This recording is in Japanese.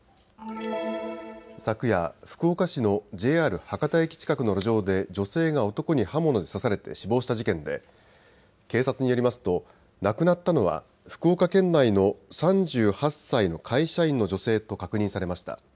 昨夜、福岡市のＪＲ博多駅近くの路上で女性が男に刃物で刺されて死亡した事件で警察によりますと亡くなったのは福岡県内の３８歳の会社員の女性と確認されました。